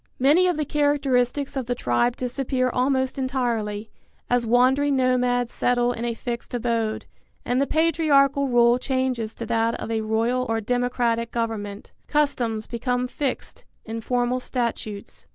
Many of the characteristics of the tribe disappear almost entirely, as wandering nomads settle in a fixed abode, and the patriarchal rule changes to that of a royal or democratic government. Customs become fixed in formal statutes.